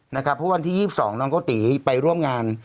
เพราะวันที่๒๒น้องโกติไปร่วมงาน